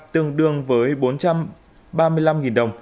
tương đương với bốn trăm ba mươi năm